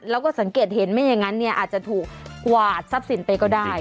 แล้วก็สังเกตเห็นไม่อย่างนั้นเนี่ยอาจจะถูกกวาดทรัพย์สินไปก็ได้